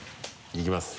いきます